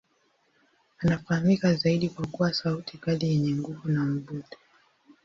Anafahamika zaidi kwa kuwa sauti kali yenye nguvu na mvuto.